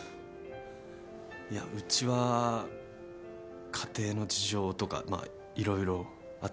いやうちは家庭の事情とかまあ色々あって。